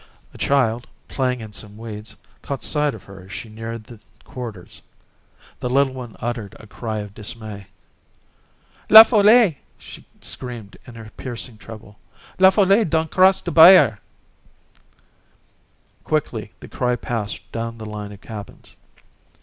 A child, playing in some weeds, caught sight of her as she neared the quarters. The little one uttered a cry of dismay. "La Folle!" she screamed, in her piercing treble. "La Folle done cross de bayer!" Quickly the cry passed down the line of cabins.